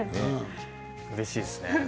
うれしいですね。